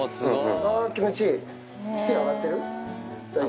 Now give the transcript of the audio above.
あぁ気持ちいい？